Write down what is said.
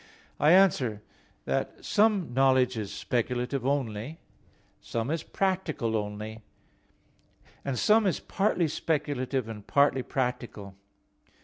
I answer that, Some knowledge is speculative only; some is practical only; and some is partly speculative and partly practical.